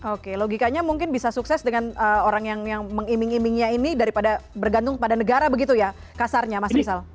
oke logikanya mungkin bisa sukses dengan orang yang mengiming imingnya ini daripada bergantung pada negara begitu ya kasarnya mas rizal